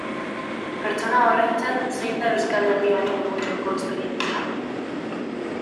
Pertsona horrentzat zein da Euskal Herriaren eguneroko esperientzia?